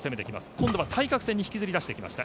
今度は対角線に引きずり出してきました。